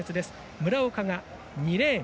村岡が２レーン。